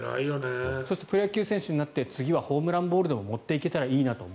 そして、プロ野球選手になって次はホームランボールでも持っていけたらいいなと。